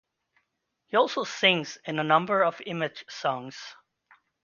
He also sings in a number of image songs.